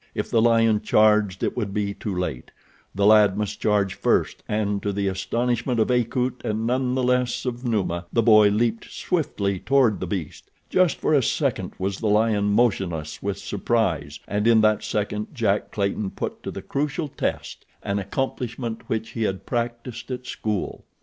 If the lion charged it would be too late—the lad must charge first, and to the astonishment of Akut and none the less of Numa, the boy leaped swiftly toward the beast. Just for a second was the lion motionless with surprise and in that second Jack Clayton put to the crucial test an accomplishment which he had practiced at school.